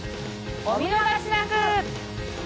お見逃しなく！